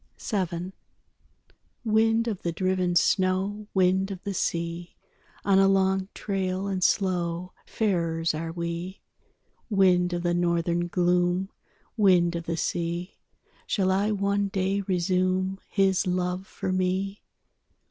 VII Wind of the driven snow, Wind of the sea, On a long trail and slow Farers are we. Wind of the Northern gloom, Wind of the sea, Shall I one day resume His love for me?